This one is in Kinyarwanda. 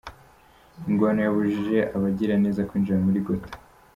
Ingwano yabujije abagiraneza kwinjira muri Ghouta.